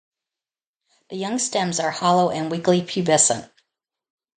The young stems are hollow and weakly pubescent.